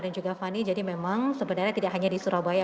dan juga fani jadi memang sebenarnya tidak hanya di surabaya